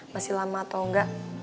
masih lama atau enggak